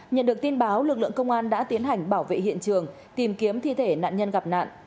nhận được tin báo lực lượng công an đã tiến hành bảo vệ hiện trường tìm kiếm thi thể nạn nhân gặp nạn